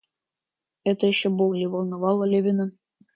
Это еще более волновало Левина.